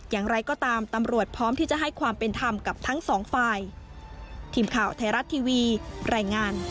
อย่างไรก็ตามตำรวจพร้อมที่จะให้ความเป็นธรรมกับทั้งสองฝ่าย